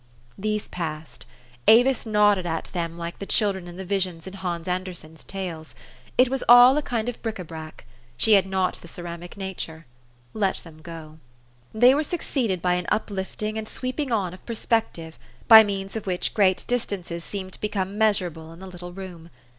These passed. Avis nodded at them like the children at the visions in Hans Andersen's tales. It was all a land of bric a brac. She had not the ce ramic nature. Let them go. They were succeeded by an uplifting and sweep ing on of perspective, by means of which great dis tances seemed to become measurable in the little room.